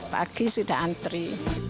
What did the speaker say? pagi sudah antri